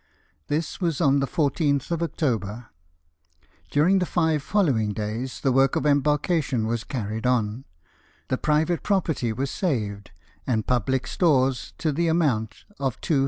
This was on the 14th of October; during the five following days the work of embarkation was carried on, the private property was saved, and public stores to the amount of £200,000.